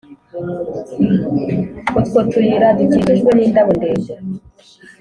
utwo tuyira dukikijwe n’indabo ndende